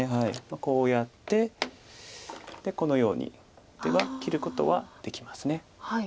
こうやってこのように打てば切ることはできます。